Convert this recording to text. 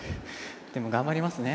でも頑張りますね。